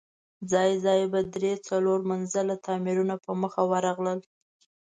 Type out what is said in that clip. ځای ځای به درې، څلور منزله تاميرونه په مخه ورغلل.